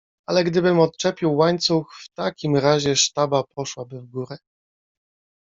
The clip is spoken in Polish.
Ale gdybym odczepił łańcuch, w takim razie sztaba poszłaby w górę.